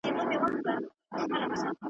په همدې خاوري دښتوکي ,